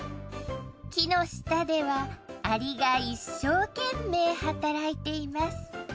木の下ではアリが一生懸命働いています